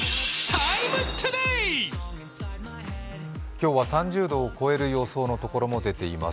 今日は３０度を超える予想のところも出ています。